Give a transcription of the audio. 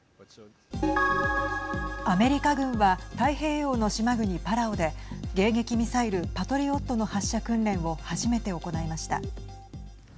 アメリカ軍は、太平洋の島国パラオで、迎撃ミサイルパトリオットの発射訓練を初めて行いました。